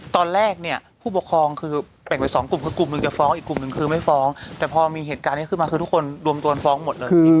ตอนแรกเนี่ยผู้ปกครองคือแบ่งไปสองกลุ่มคือกลุ่มหนึ่งจะฟ้องอีกกลุ่มหนึ่งคือไม่ฟ้องแต่พอมีเหตุการณ์นี้ขึ้นมาคือทุกคนรวมตัวกันฟ้องหมดเลย